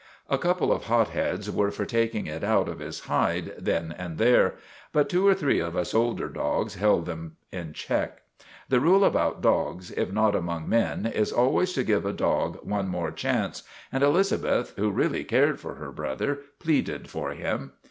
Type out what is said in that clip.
A couple of hot heads were for taking it out of his hide then and there; but two or three of us older dogs held them in check. The rule among dogs, if not among men, is always to give a dog one more chance, and Elizabeth, who really cared for her brother, pleaded for him.